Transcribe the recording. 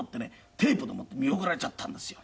テープでもって見送られちゃったんですよ。